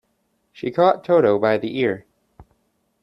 She caught Toto by the ear.